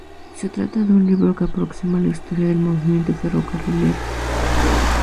Se trata de un libro que aproxima la historia del movimiento ferrocarrilero.